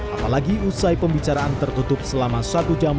apalagi usai pembicaraan tertutup selama satu jam